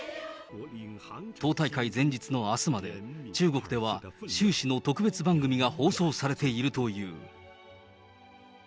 党大会前日のあすまで、中国では、習氏の特別番組が放送されているという。